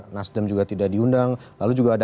nasdem juga tidak diundang lalu juga ada